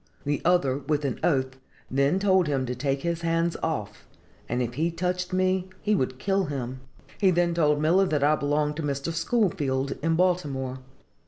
The other, with an oath, then told him to take his hands off, and if he touched me he would kill him. He then told Miller that I belonged to Mr. Schoolfield, in Baltimore.